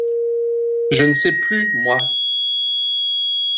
Je ne sais plus, moi.